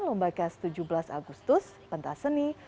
lomba kas tujuh belas agustus pentas seni